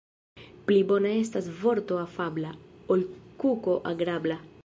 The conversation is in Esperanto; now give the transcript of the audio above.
Pli bona estas vorto afabla, ol kuko agrabla.